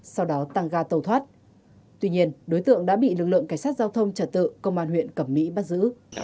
sau đó tăng ga tàu thoát tuy nhiên đối tượng đã bị lực lượng cảnh sát giao thông trả tự công an huyện cẩm mỹ bắt giữ